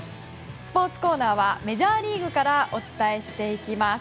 スポーツコーナーはメジャーリーグからお伝えしていきます。